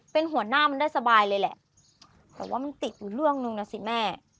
เป็นหัวหน้ามันได้สบายเลยแหละแต่ว่ามันติดอยู่เรื่องนึงนะสิแม่